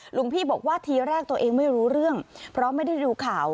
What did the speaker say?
หลวงพี่บอกว่าทีแรกตัวเองไม่รู้เรื่องเพราะไม่ได้ดูข่าว